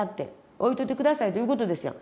置いといて下さいということですやん。